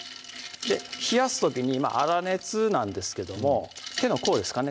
冷やす時に粗熱なんですけども手の甲ですかね